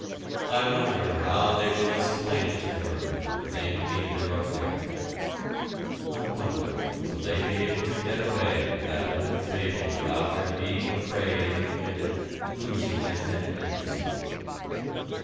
I wonder how they will explain it to her when they meet her up there! I wonder will they be able to get away with that old fable about their being afraid of women "losing their femininity."